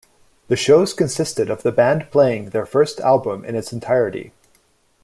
The shows consisted of the band playing their first album in its entirety.